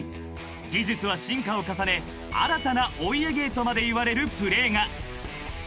［技術は進化を重ね新たなお家芸とまでいわれるプレーが］